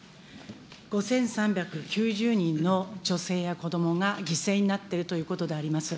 ５３９０人の女性や子どもが犠牲になっているということであります。